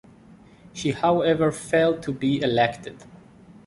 She however failed to be elected.